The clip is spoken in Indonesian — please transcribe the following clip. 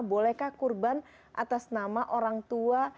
bolehkah kurban atas nama orang tua